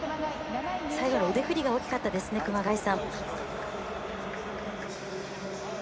最後の腕振りが大きかったですね熊谷さん。